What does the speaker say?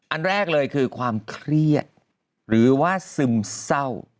อันแรกเลยคือความเครียดหรือว่าซึมเศร้า